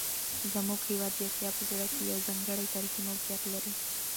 زموږ هیواد د اسیا په زړه کې یو ځانګړی تاریخي موقعیت لري.